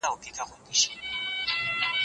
چې ټول ترې راضي وي.